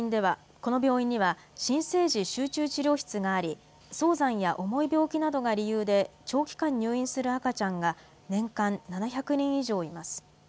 この病院には、新生児集中治療室があり、早産や重い病気などが理由で、長期間入院する赤ちゃんが、年間７００人以上います。